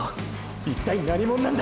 一体何者なんだ！！